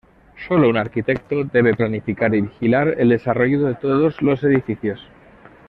Sólo un arquitecto debe planificar y vigilar el desarrollo de todos los edificios.